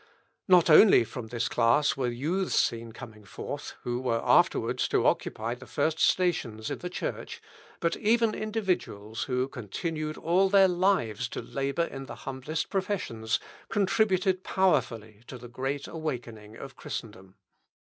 Not only from this class were youths seen coming forth, who were afterwards to occupy the first stations in the Church, but even individuals, who continued all their lives to labour in the humblest professions, contributed powerfully to the great awakening of Christendom.